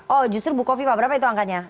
oh justru bu kofifa berapa itu angkanya